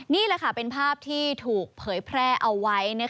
นี่แหละค่ะเป็นภาพที่ถูกเผยแพร่เอาไว้